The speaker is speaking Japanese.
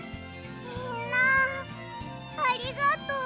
みんなありがとう！